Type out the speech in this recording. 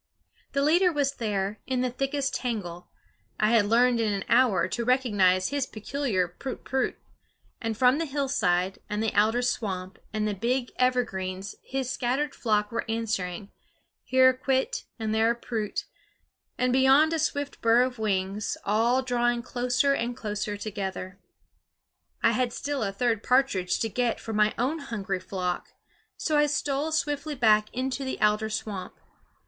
The leader was there, in the thickest tangle I had learned in an hour to recognize his peculiar Prut, prut and from the hillside and the alder swamp and the big evergreens his scattered flock were answering; here a kwit, and there a prut, and beyond a swift burr of wings, all drawing closer and closer together. I had still a third partridge to get for my own hungry flock; so I stole swiftly back into the alder swamp.